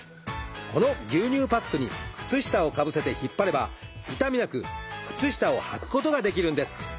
この牛乳パックに靴下をかぶせて引っ張れば痛みなく靴下をはくことができるんです。